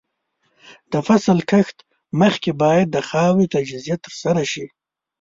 د فصل کښت مخکې باید د خاورې تجزیه ترسره شي.